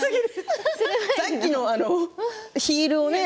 さっきのヒールをね